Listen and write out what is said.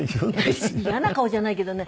別に嫌な顔じゃないけどね